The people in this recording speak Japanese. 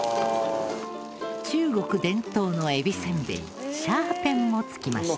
中国伝統のえびせんべい龍蝦片も付きました。